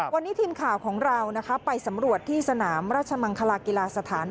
วันนี้ทีมข่าวของเราไปสำรวจที่สนามราชมังคลากีฬาสถาน